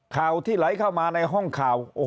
ข่าวที่ไหลเข้ามาในห้องข่าว